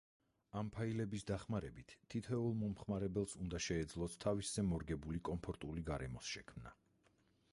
ამ ფაილების დახმარებით თითოეულ მომხმარებელს უნდა შეეძლოს თავისზე მორგებული, კომფორტული გარემოს შექმნა.